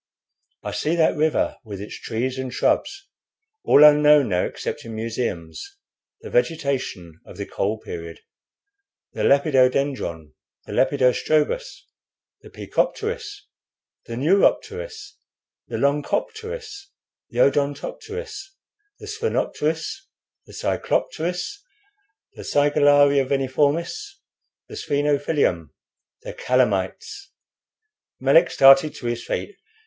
I see that river, with its trees and shrubs, all unknown now except in museums the vegetation of the Coal Period the lepidodendron, the lepidostrobus, the pecopteris, the neuropteris, the lonchopteris, the odontopteris, the sphenopteris, the cyclopteris, the sigellaria veniformis, the sphenophyllium, the calamites " Melick started to his feet.